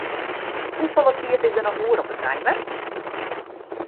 Hoefolle tiid is der noch oer op 'e timer?